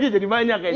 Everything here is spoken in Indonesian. jadi banyak ya